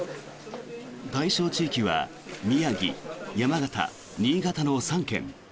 対象地域は宮城、山形、新潟の３県。